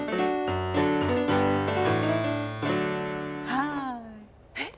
はい。えっ？